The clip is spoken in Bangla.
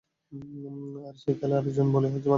আর সেই খেলায় আরেকজনকে বলি বানাচ্ছেন।